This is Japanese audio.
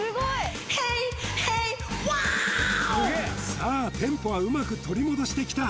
さあテンポはうまく取り戻してきた